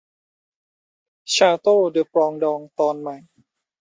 ชาโตว์เดอปรองดอง ตอนใหม่